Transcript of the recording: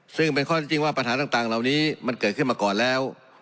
ซึ่งเป็นข้อที่จริงว่าปัญหาต่างเหล่านี้มันเกิดขึ้นมาก่อนแล้ว